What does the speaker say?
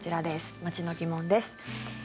街の疑問です。